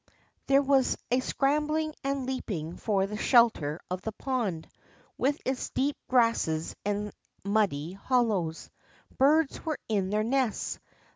'' There was a scrambling and leaping for the shelter of the pond, with its deep grasses and muddy hollows. Birds were in their nests.